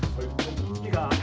いいか？